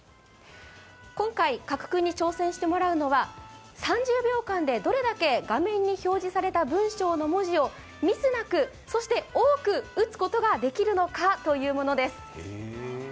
今回加来君に挑戦してもらうのは３０秒間でどれだけ画面に表示された文字の文章をミスなく、そして多く打つことができるのかというものです。